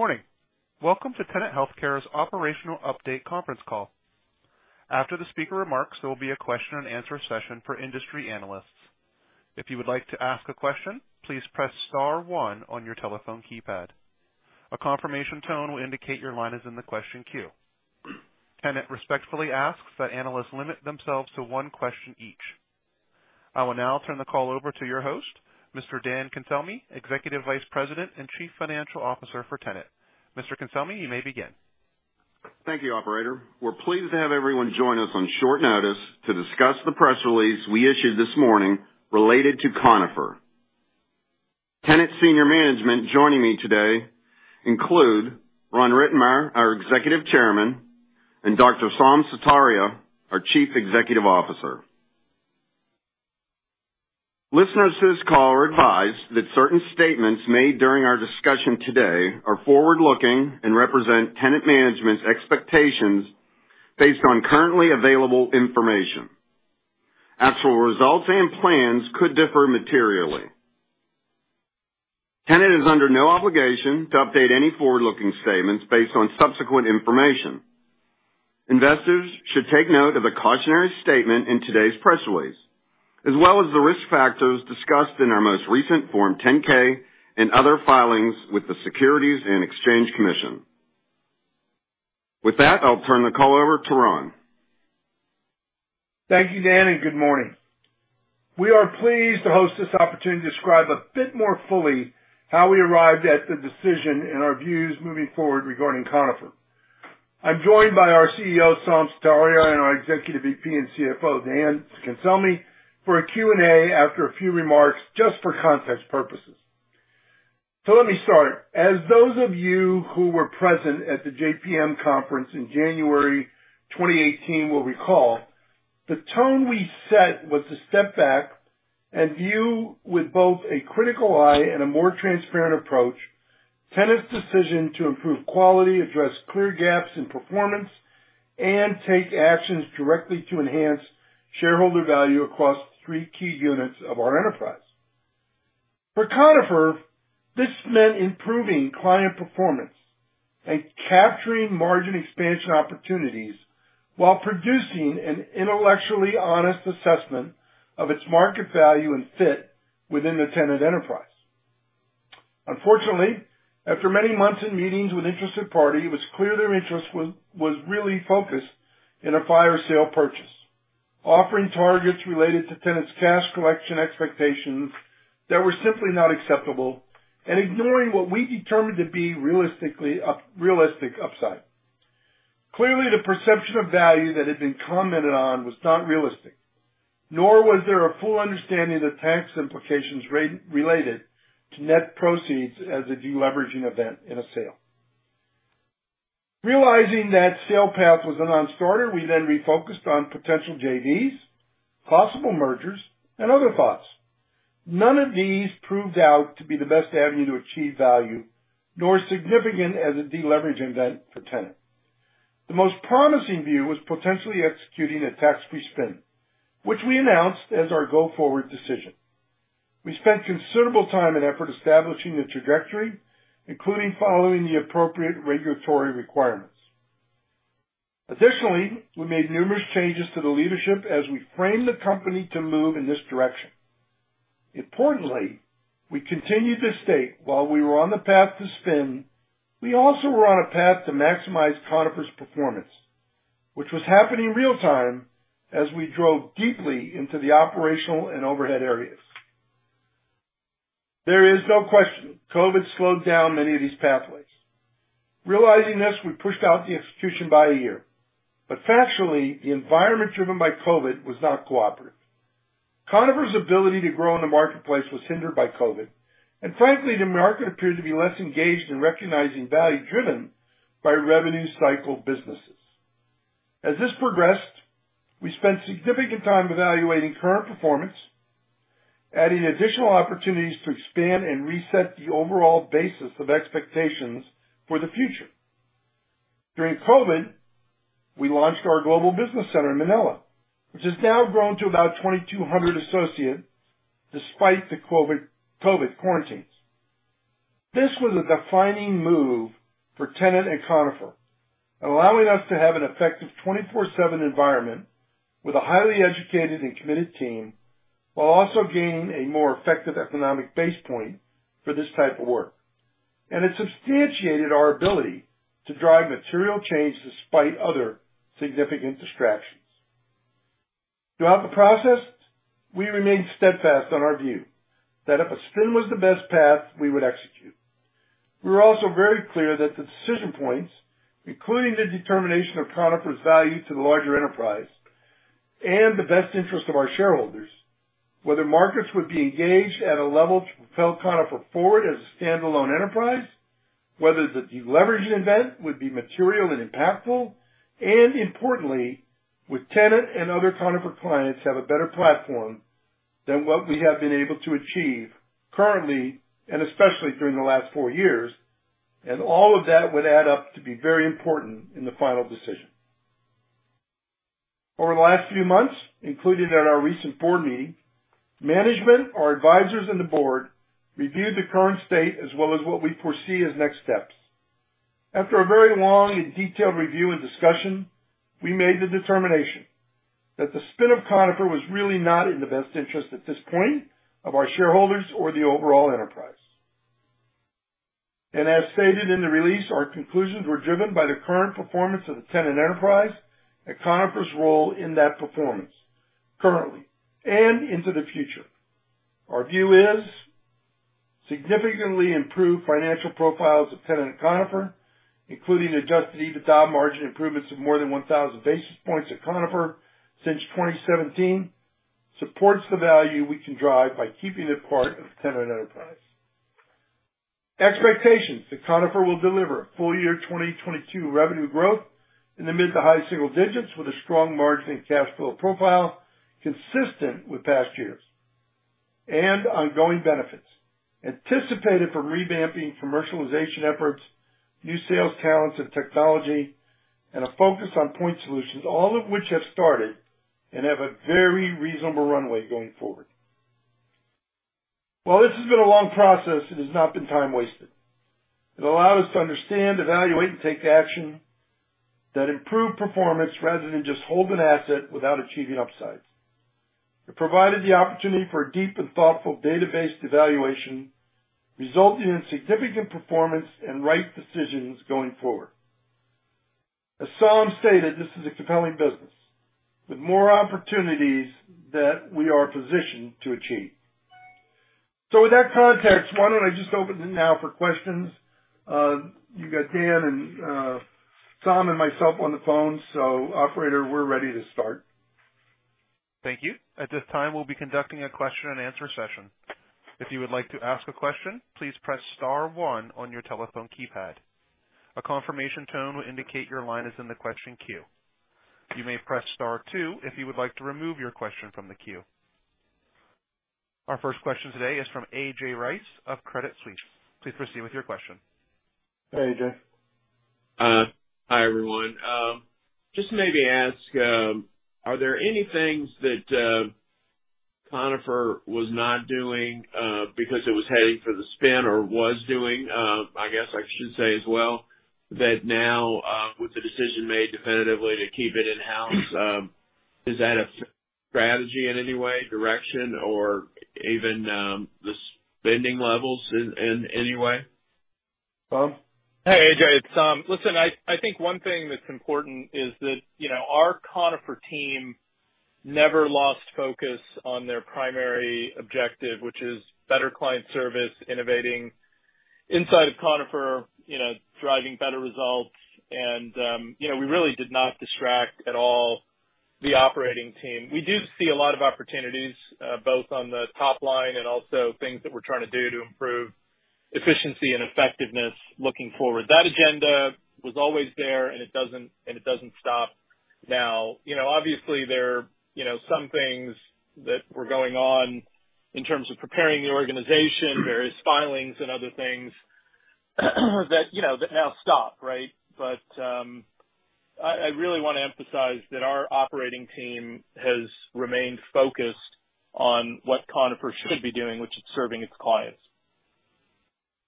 Morning. Welcome to Tenet Healthcare's Operational Update conference call. After the speaker remarks, there will be a question and answer session for industry analysts. If you would like to ask a question, please press star one on your telephone keypad. A confirmation tone will indicate your line is in the question queue. Tenet respectfully asks that analysts limit themselves to one question each. I will now turn the call over to your host, Mr. Daniel Cancelmi, Executive Vice President and Chief Financial Officer for Tenet. Mr. Cancelmi, you may begin. Thank you, operator. We're pleased to have everyone join us on short notice to discuss the press release we issued this morning related to Conifer. Tenet senior management joining me today include Ron Rittenmeyer, our Executive Chairman, and Dr. Saum Sutaria, our Chief Executive Officer. Listeners to this call are advised that certain statements made during our discussion today are forward-looking and represent Tenet management's expectations based on currently available information. Actual results and plans could differ materially. Tenet is under no obligation to update any forward-looking statements based on subsequent information. Investors should take note of the cautionary statement in today's press release, as well as the risk factors discussed in our most recent Form 10-K and other filings with the Securities and Exchange Commission. With that, I'll turn the call over to Ron. Thank you, Dan, and good morning. We are pleased to host this opportunity to describe a bit more fully how we arrived at the decision and our views moving forward regarding Conifer. I'm joined by our CEO, Saum Sutaria, and our Executive VP and CFO, Daniel Cancelmi, for a Q&A after a few remarks just for context purposes. Let me start. As those of you who were present at the JPM conference in January 2018 will recall, the tone we set was to step back and view with both a critical eye and a more transparent approach Tenet's decision to improve quality, address clear gaps in performance, and take actions directly to enhance shareholder value across three key units of our enterprise. For Conifer, this meant improving client performance and capturing margin expansion opportunities while producing an intellectually honest assessment of its market value and fit within the Tenet enterprise. Unfortunately, after many months in meetings with interested parties, it was clear their interest was really focused in a fire sale purchase, offering targets related to Tenet's cash collection expectations that were simply not acceptable, and ignoring what we determined to be realistic upside. Clearly, the perception of value that had been commented on was not realistic, nor was there a full understanding of the tax implications related to net proceeds as a deleveraging event in a sale. Realizing that sale path was a non-starter, we then refocused on potential JVs, possible mergers, and other thoughts. None of these proved out to be the best avenue to achieve value, nor significant as a deleveraging event for Tenet. The most promising view was potentially executing a tax-free spin, which we announced as our go-forward decision. We spent considerable time and effort establishing the trajectory, including following the appropriate regulatory requirements. Additionally, we made numerous changes to the leadership as we framed the company to move in this direction. Importantly, we continued to state while we were on the path to spin, we also were on a path to maximize Conifer's performance, which was happening real time as we drove deeply into the operational and overhead areas. There is no question COVID slowed down many of these pathways. Realizing this, we pushed out the execution by a year. Factually, the environment driven by COVID was not cooperative. Conifer's ability to grow in the marketplace was hindered by COVID, and frankly, the market appeared to be less engaged in recognizing value driven by revenue cycle businesses. As this progressed, we spent significant time evaluating current performance, adding additional opportunities to expand and reset the overall basis of expectations for the future. During COVID, we launched our global business center in Manila, which has now grown to about 2,200 associates despite the COVID quarantines. This was a defining move for Tenet and Conifer, allowing us to have an effective 24/7 environment with a highly educated and committed team, while also gaining a more effective economic base point for this type of work. It substantiated our ability to drive material change despite other significant distractions. Throughout the process, we remained steadfast on our view that if a spin was the best path, we would execute. We were also very clear that the decision points, including the determination of Conifer's value to the larger enterprise and the best interest of our shareholders, whether markets would be engaged at a level to propel Conifer forward as a standalone enterprise, whether the deleveraging event would be material and impactful, and importantly, would Tenet and other Conifer clients have a better platform than what we have been able to achieve currently, and especially during the last four years. All of that would add up to be very important in the final decision. Over the last few months, including at our recent board meeting, management, our advisors and the board reviewed the current state as well as what we foresee as next steps. After a very long and detailed review and discussion, we made the determination that the spin of Conifer was really not in the best interest at this point of our shareholders or the overall enterprise. As stated in the release, our conclusions were driven by the current performance of the Tenet enterprise and Conifer's role in that performance currently and into the future. Our view is significantly improved financial profiles of Tenet and Conifer, including Adjusted EBITDA margin improvements of more than 1,000 basis points at Conifer since 2017, supports the value we can drive by keeping it part of the Tenet enterprise. Expectations that Conifer will deliver full year 2022 revenue growth in the mid to high single digits with a strong margin and cash flow profile consistent with past years. Ongoing benefits anticipated for revamping commercialization efforts, new sales talents and technology, and a focus on point solutions, all of which have started and have a very reasonable runway going forward. While this has been a long process, it has not been time wasted. It allowed us to understand, evaluate, and take action that improved performance rather than just hold an asset without achieving upsides. It provided the opportunity for a deep and thoughtful data-based evaluation, resulting in significant performance and right decisions going forward. As Saum stated, this is a compelling business with more opportunities that we are positioned to achieve. With that context, why don't I just open it now for questions? You got Dan and, Saum and myself on the phone. Operator, we're ready to start. Thank you. At this time, we'll be conducting a question-and-answer session. If you would like to ask a question, please press star one on your telephone keypad. A confirmation tone will indicate your line is in the question queue. You may press star two if you would like to remove your question from the queue. Our first question today is from A.J. Rice of Credit Suisse. Please proceed with your question. Hey, AJ. Hi, everyone. Just maybe ask, are there any things that Conifer was not doing because it was heading for the spin or was doing, I guess I should say as well, that now with the decision made definitively to keep it in-house, is that a strategy in any way, direction, or even the spending levels in any way? Saum? Hey, AJ. It's Saum. Listen, I think one thing that's important is that, you know, our Conifer team never lost focus on their primary objective, which is better client service, innovating inside of Conifer, you know, driving better results. You know, we really did not distract at all the operating team. We do see a lot of opportunities, both on the top line and also things that we're trying to do to improve efficiency and effectiveness looking forward. That agenda was always there, and it doesn't stop now. You know, obviously there are, you know, some things that were going on in terms of preparing the organization, various filings and other things that, you know, that now stop, right? I really wanna emphasize that our operating team has remained focused on what Conifer should be doing, which is serving its clients.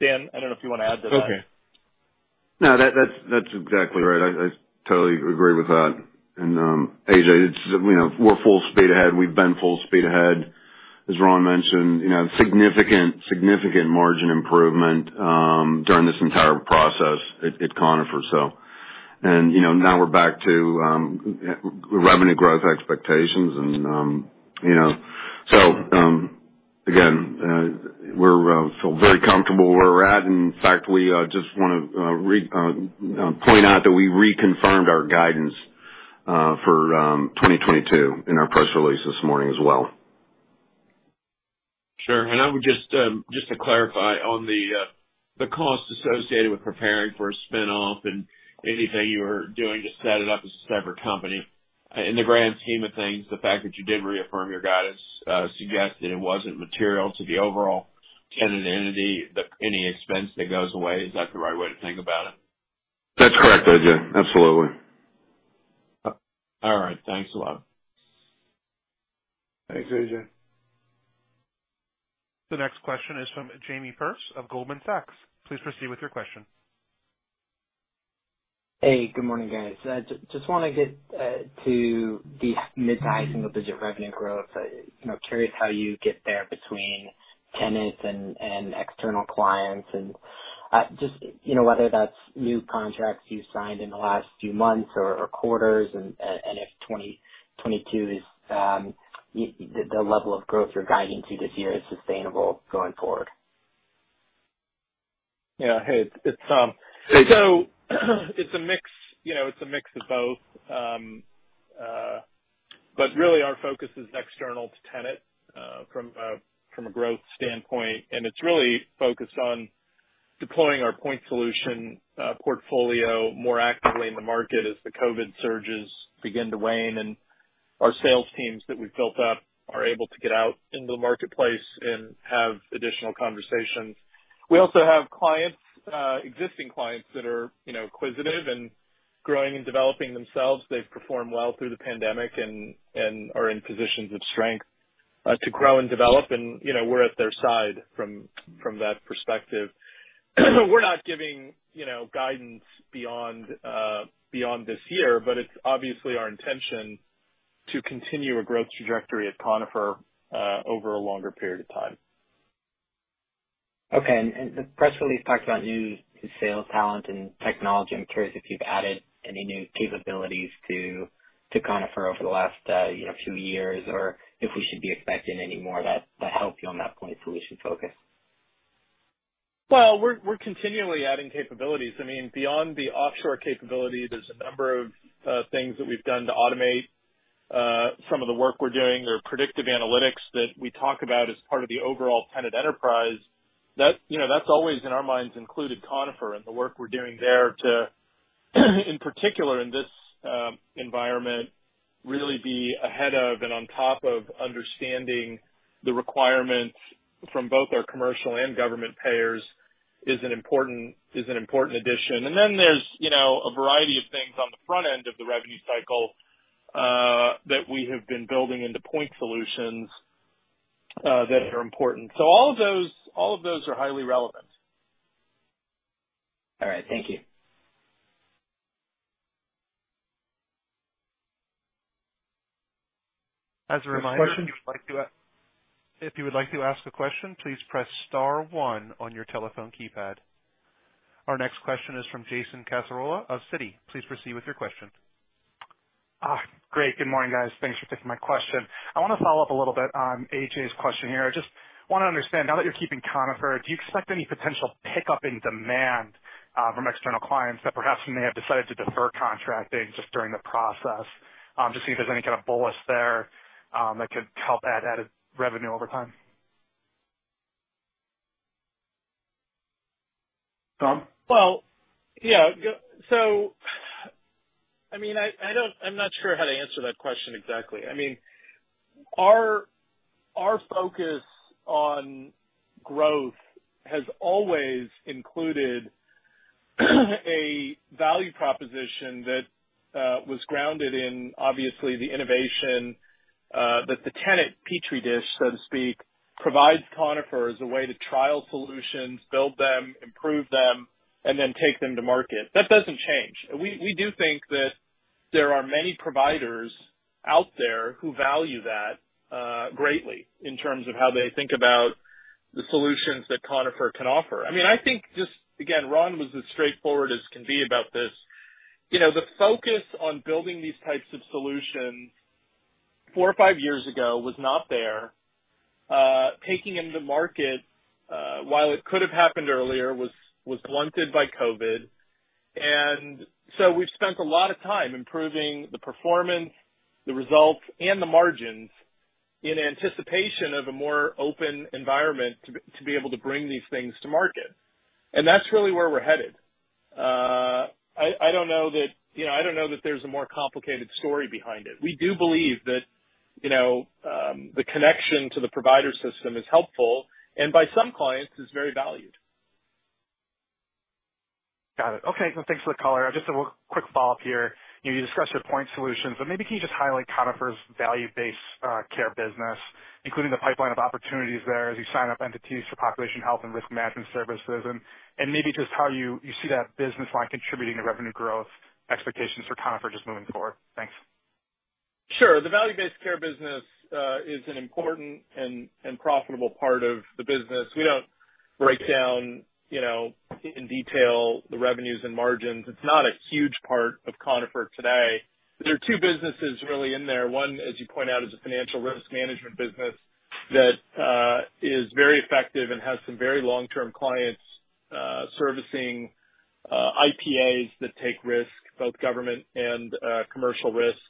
Dan, I don't know if you wanna add to that. Okay. No. That's exactly right. I totally agree with that. AJ, it's you know we're full speed ahead. We've been full speed ahead. As Ron mentioned, you know, significant margin improvement during this entire process at Conifer. You know, now we're back to revenue growth expectations and you know. Again, we feel very comfortable where we're at. In fact, we just wanna point out that we reconfirmed our guidance for 2022 in our press release this morning as well. Sure. I would just to clarify on the cost associated with preparing for a spin-off and anything you were doing to set it up as a separate company. In the grand scheme of things, the fact that you did reaffirm your guidance suggests that it wasn't material to the overall Tenet entity that any expense that goes away, is that the right way to think about it? That's correct, A.J. Absolutely. All right. Thanks a lot. Thanks, AJ. The next question is from Jamie Perse of Goldman Sachs. Please proceed with your question. Hey, good morning, guys. Just wanna get to the mid-to-high single-digit revenue growth. You know, curious how you get there between Tenet and external clients. Just, you know, whether that's new contracts you've signed in the last few months or quarters and if 2022 is the level of growth you're guiding to this year is sustainable going forward. Yeah. Hey, it's a mix, you know, it's a mix of both. But really our focus is external to Tenet, from a growth standpoint, and it's really focused on deploying our point solution portfolio more actively in the market as the COVID surges begin to wane and our sales teams that we've built up are able to get out into the marketplace and have additional conversations. We also have clients, existing clients that are, you know, inquisitive and growing and developing themselves. They've performed well through the pandemic and are in positions of strength to grow and develop. You know, we're at their side from that perspective. We're not giving, you know, guidance beyond this year, but it's obviously our intention to continue a growth trajectory at Conifer over a longer period of time. Okay. The press release talks about new sales talent and technology. I'm curious if you've added any new capabilities to Conifer over the last, you know, few years or if we should be expecting any more that help you on that point solution focus. Well, we're continually adding capabilities. I mean, beyond the offshore capability, there's a number of things that we've done to automate some of the work we're doing or predictive analytics that we talk about as part of the overall Tenet enterprise. That, you know, that's always, in our minds, included Conifer and the work we're doing there to, in particular in this environment, really be ahead of and on top of understanding the requirements from both our commercial and government payers is an important addition. There's, you know, a variety of things on the front end of the revenue cycle that we have been building into point solutions that are important. All of those are highly relevant. All right. Thank you. As a reminder. Next question. If you would like to ask a question, please press star one on your telephone keypad. Our next question is from Jason Cassorla of Citi. Please proceed with your question. Great. Good morning, guys. Thanks for taking my question. I wanna follow up a little bit on A.J.'s question here. I just wanna understand, now that you're keeping Conifer, do you expect any potential pickup in demand from external clients that perhaps may have decided to defer contracting just during the process to see if there's any kind of bolus there that could help add revenue over time? Saum? Well, yeah. I mean, I'm not sure how to answer that question exactly. I mean, our focus on growth has always included a value proposition that was grounded in obviously the innovation that the Tenet petri dish, so to speak, provides Conifer as a way to trial solutions, build them, improve them, and then take them to market. That doesn't change. We do think that there are many providers out there who value that greatly in terms of how they think about the solutions that Conifer can offer. I mean, I think just, again, Ron was as straightforward as can be about this. You know, the focus on building these types of solutions 4 or 5 years ago was not there. Taking them to market while it could have happened earlier was blunted by COVID. We've spent a lot of time improving the performance, the results, and the margins in anticipation of a more open environment to be able to bring these things to market. That's really where we're headed. I don't know that, you know, there's a more complicated story behind it. We do believe that, you know, the connection to the provider system is helpful, and by some clients is very valued. Got it. Okay. No, thanks for the color. Just a quick follow-up here. You discussed your point solutions, but maybe can you just highlight Conifer's value-based care business, including the pipeline of opportunities there as you sign up entities for population health and risk management services, and maybe just how you see that business line contributing to revenue growth expectations for Conifer just moving forward? Thanks. Sure. The value-based care business is an important and profitable part of the business. We don't break down, you know, in detail the revenues and margins. It's not a huge part of Conifer today. There are two businesses really in there. One, as you point out, is a financial risk management business that is very effective and has some very long-term clients servicing IPAs that take risk, both government and commercial risk.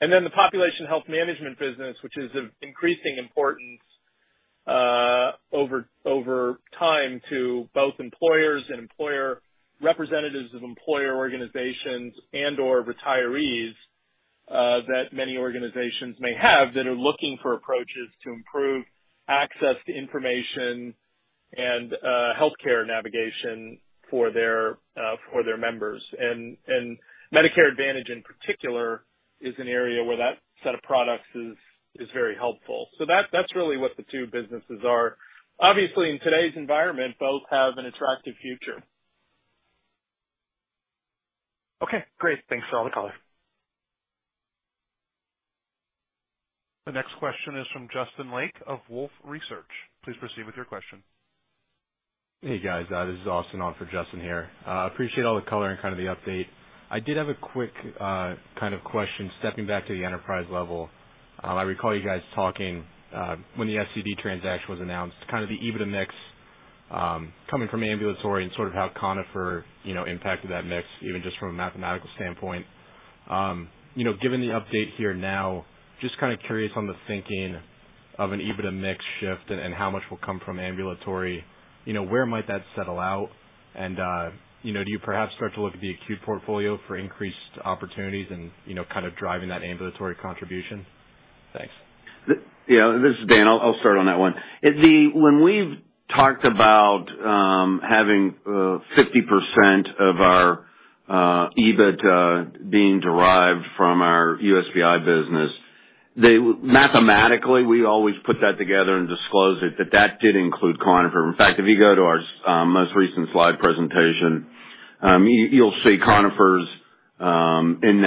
Then the population health management business, which is of increasing importance over time to both employers and employer representatives of employer organizations and/or retirees that many organizations may have that are looking for approaches to improve access to information and healthcare navigation for their members. Medicare Advantage in particular is an area where that set of products is very helpful. That's really what the two businesses are. Obviously, in today's environment, both have an attractive future. Okay, great. Thanks for all the color. The next question is from Justin Lake of Wolfe Research. Please proceed with your question. Hey, guys. This is Austin on for Justin here. Appreciate all the color and kind of the update. I did have a quick kind of question stepping back to the enterprise level. I recall you guys talking when the SCD transaction was announced, kind of the EBITDA mix coming from ambulatory and sort of how Conifer, you know, impacted that mix even just from a mathematical standpoint. You know, given the update here now, just kinda curious on the thinking of an EBITDA mix shift and how much will come from ambulatory. You know, where might that settle out? You know, do you perhaps start to look at the acute portfolio for increased opportunities and kind of driving that ambulatory contribution? Yeah, this is Dan. I'll start on that one. When we've talked about having 50% of our EBITDA being derived from our USPI business, mathematically we always put that together and disclose it, but that did include Conifer. In fact, if you go to our most recent slide presentation, you'll see Conifer's in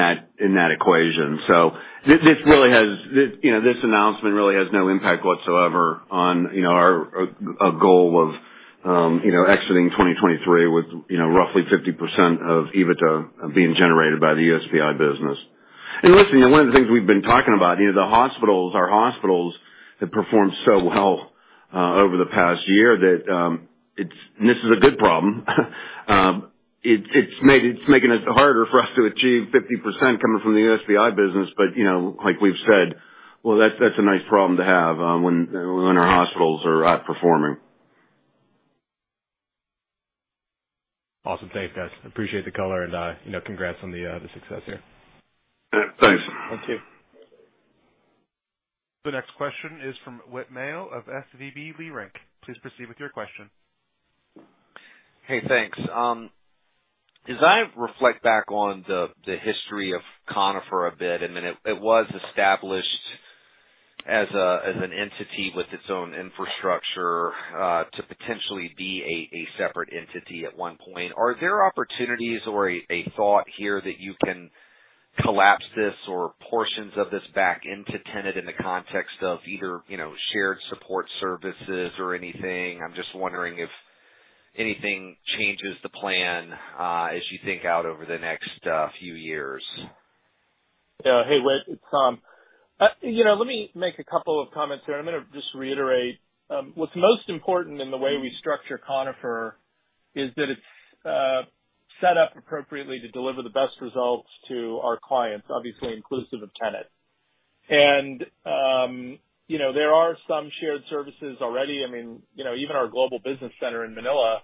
that equation. So this announcement really has no impact whatsoever on our goal of exiting 2023 with roughly 50% of EBITDA being generated by the USPI business. Listen, you know, one of the things we've been talking about, you know, the hospitals, our hospitals have performed so well over the past year that it's a good problem. It's making it harder for us to achieve 50% coming from the USPI business. You know, like we've said, well, that's a nice problem to have when our hospitals are outperforming. Awesome. Thanks, guys. Appreciate the color and, you know, congrats on the success here. Thanks. Thank you. The next question is from Whit Mayo of SVB Leerink. Please proceed with your question. Hey, thanks. As I reflect back on the history of Conifer a bit, it was established as an entity with its own infrastructure to potentially be a separate entity at one point. Are there opportunities or a thought here that you can collapse this or portions of this back into Tenet in the context of either, you know, shared support services or anything? I'm just wondering if anything changes the plan as you think out over the next few years. Yeah. Hey, Whit, it's Saum. You know, let me make a couple of comments here, and I'm gonna just reiterate. What's most important in the way we structure Conifer is that it's set up appropriately to deliver the best results to our clients, obviously inclusive of Tenet. You know, there are some shared services already. I mean, you know, even our global business center in Manila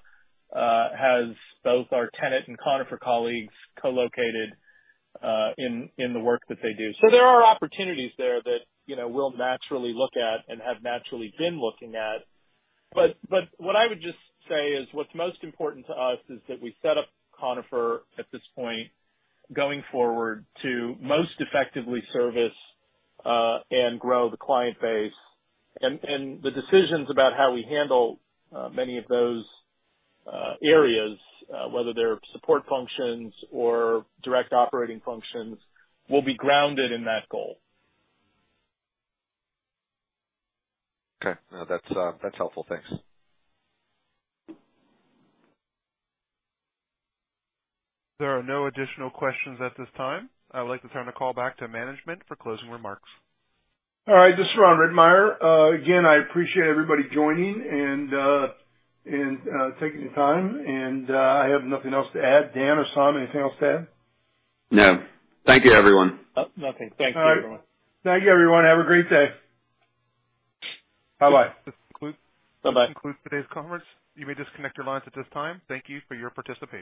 has both our Tenet and Conifer colleagues co-located in the work that they do. There are opportunities there that, you know, we'll naturally look at and have naturally been looking at. What I would just say is what's most important to us is that we set up Conifer at this point, going forward, to most effectively service and grow the client base. The decisions about how we handle many of those areas, whether they're support functions or direct operating functions, will be grounded in that goal. Okay. No, that's helpful. Thanks. There are no additional questions at this time. I would like to turn the call back to management for closing remarks. All right. This is Ronald Rittenmeyer. Again, I appreciate everybody joining and taking the time, and I have nothing else to add. Dan or Saum, anything else to add? No. Thank you, everyone. Nothing. Thank you, everyone. All right. Thank you, everyone. Have a great day. Bye-bye. This concludes. Bye-bye. This concludes today's conference. You may disconnect your lines at this time. Thank you for your participation.